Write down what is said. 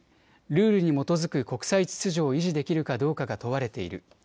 ルールに基づく国際秩序を維持できるかどうかが問われている。